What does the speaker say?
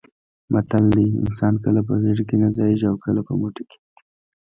متل دی: انسان کله په غېږه کې نه ځایېږي اوکله په موټي کې.